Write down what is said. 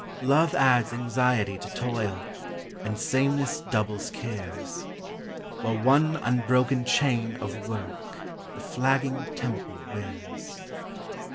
Love adds anxiety to toil, And sameness doubles cares. While one unbroken chain of work The flagging temper wears.